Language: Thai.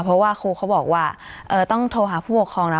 เพราะว่าครูเขาบอกว่าต้องโทรหาผู้ปกครองนะ